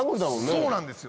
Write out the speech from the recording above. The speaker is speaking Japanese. そうなんですよ。